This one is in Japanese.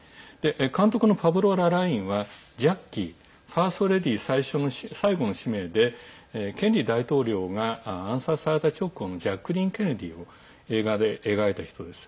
監督のパブロ・ララインは「ジャッキー／ファーストレディ最後の使命」でケネディ大統領が暗殺された直後のジャクリーン・ケネディを映画で描いた人です。